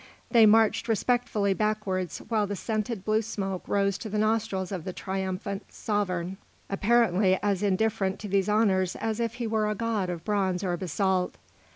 They marched respectfully backwards while the scented blue smoke rose to the nostrils of the triumphant sovereign, apparently as indifferent to these honours as if he were a god of bronze or basalt.